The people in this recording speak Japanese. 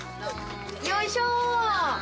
よいしょ。